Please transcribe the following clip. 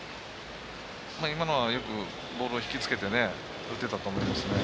今のは、よくボールを引きつけて打ってたと思いますね。